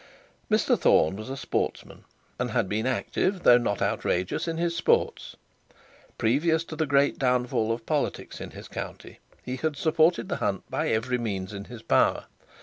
Mr Thorne was a sportsman, and had been active though not outrageous in his sports. Previous to the great downfall of politics in his country, he had supported the hunt by every means in his power.